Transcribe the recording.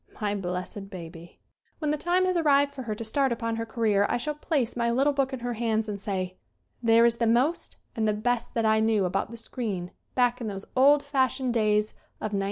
My blessed baby! When the time has arrived for her to start upon her career I shall place my little book in her hands and say : "There is the most and the best that I knew about the screen back in those old fashioned days of 1921."